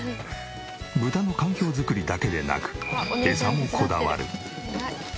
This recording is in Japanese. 豚の環境づくりだけでなくエサもこだわる。